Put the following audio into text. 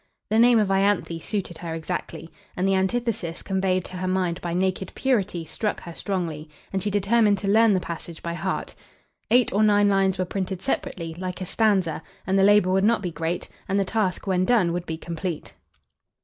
The name of Ianthe suited her exactly. And the antithesis conveyed to her mind by naked purity struck her strongly, and she determined to learn the passage by heart. Eight or nine lines were printed separately, like a stanza, and the labour would not be great, and the task, when done, would be complete.